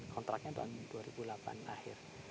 kontraknya tahun dua ribu delapan akhir